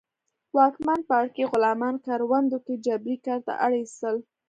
واکمن پاړکي غلامان کروندو کې جبري کار ته اړ اېستل